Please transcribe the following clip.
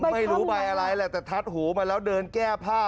ไม่รู้ใบอะไรแหละแต่ทัดหูมาแล้วเดินแก้ผ้า